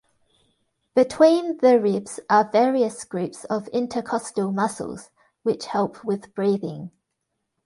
Between the ribs are various groups of intercostal muscles, which help with breathing.